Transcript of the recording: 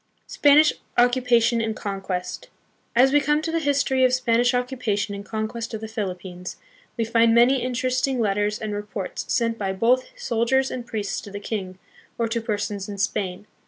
Spanish Occupation and Conquest. As we come to the history of Spanish occupation and conquest of the Philippines, we find many interesting letters and reports sent by both soldiers and priests to the king, or to persons in Spain.